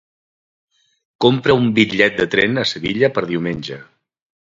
Compra un bitllet de tren a Sevilla per diumenge.